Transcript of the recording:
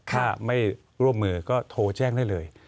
ถ้าไม่ร่วมมือก็โทรแจ้งได้เลย